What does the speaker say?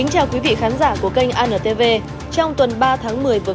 hãy đăng ký kênh để ủng hộ kênh của chúng mình nhé